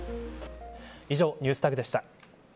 以上、ＮｅｗｓＴａｇでした。